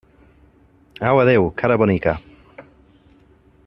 Au, adéu, cara bonica!